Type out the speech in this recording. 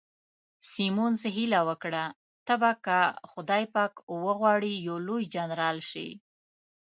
سیمونز هیله وکړه، ته به که خدای پاک وغواړي یو لوی جنرال شې.